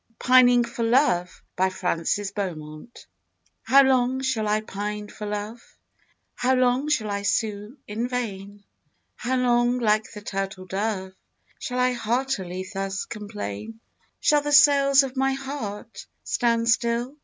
Francis Beaumont. PINING FOR LOVE. How long shall I pine for love? How long shall I sue in vain? How long like the turtle dove, Shall I heartily thus complain? Shall the sails of my heart stand still?